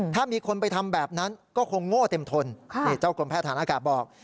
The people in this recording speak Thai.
ถ้ามีคนไปทำแบบนั้นก็คงโง่เต็มทนนี่เจ้ากรมแพทย์ฐานอากาศบอก